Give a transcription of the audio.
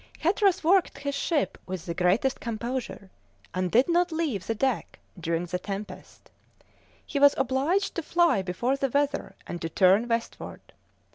Hatteras worked his ship with the greatest composure, and did not leave the deck during the tempest; he was obliged to fly before the weather and to turn westward.